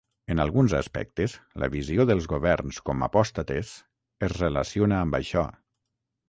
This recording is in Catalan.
En alguns aspectes, la visió dels governs com apòstates es relaciona amb això.